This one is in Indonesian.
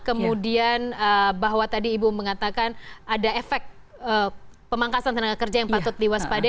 kemudian bahwa tadi ibu mengatakan ada efek pemangkasan tenaga kerja yang patut diwaspadai